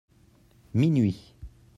Minuit.